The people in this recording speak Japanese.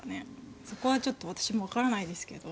そこはちょっと私もわからないですけど。